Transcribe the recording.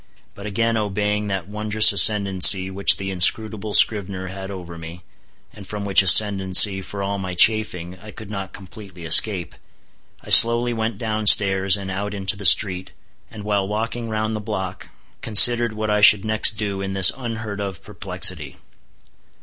But again obeying that wondrous ascendancy which the inscrutable scrivener had over me, and from which ascendancy, for all my chafing, I could not completely escape, I slowly went down stairs and out into the street, and while walking round the block, considered what I should next do in this unheard of perplexity.